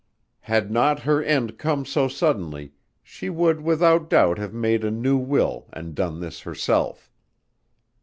Had not her end come so suddenly, she would without doubt have made a new will and done this herself."